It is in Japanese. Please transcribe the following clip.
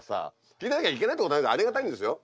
聞いてなきゃいけないってことはないありがたいんですよ。